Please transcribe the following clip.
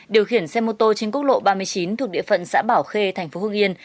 điều khiển xe mô tô trên quốc lộ ba mươi chín thuộc địa phận xã bảo khê thành phố hương yên